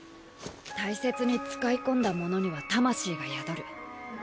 大切に使い込んだものには魂が宿る。